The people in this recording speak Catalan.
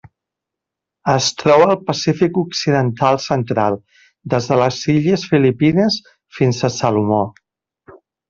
Es troba al Pacífic occidental central: des de les illes Filipines fins a Salomó.